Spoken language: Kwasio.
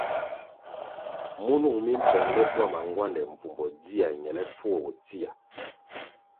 Munung mi mpongle bwama ngwande mbvumbo dzia ñelepfuo bo tsia.